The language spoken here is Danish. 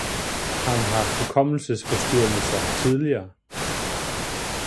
Har hun haft hukommelsesforstyrrelser tidligere?